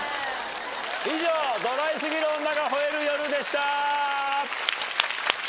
以上ドライすぎる女が吠える夜でした。